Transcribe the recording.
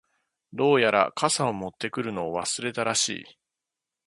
•どうやら、傘を持ってくるのを忘れたらしい。